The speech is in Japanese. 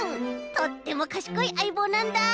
とってもかしこいあいぼうなんだ。